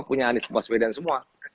punya anies baswedan semua